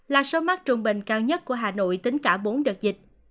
là số mắc trung bình cao nhất của hà nội tính cả bốn đợt dịch